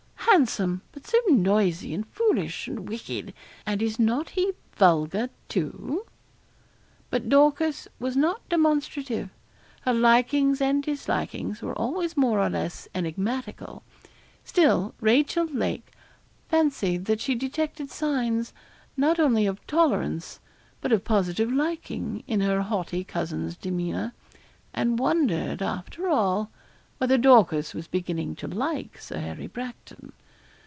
'Handsome, but so noisy and foolish, and wicked; and is not he vulgar, too?' But Dorcas was not demonstrative. Her likings and dislikings were always more or less enigmatical. Still Rachel Lake fancied that she detected signs, not only of tolerance, but of positive liking, in her haughty cousin's demeanour, and wondered, after all, whether Dorcas was beginning to like Sir Harry Bracton.